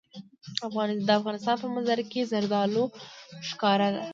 د افغانستان په منظره کې زردالو ښکاره ده.